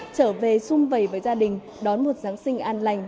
trở về xung vầy với gia đình đón một giáng sinh an lành